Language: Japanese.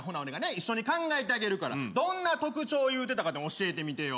一緒に考えてあげるからどんな特徴言うてたか教えてみてよ